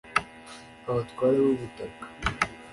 Abatware b’ubutaka